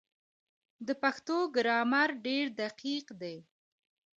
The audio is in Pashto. د پښتو ګرامر ډېر دقیق دی.